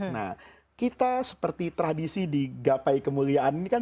nah kita seperti tradisi di gapai kemuliaan ini kan